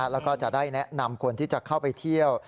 แล้วก็จะได้แนะนำคนที่จะเข้าไปเที่ยว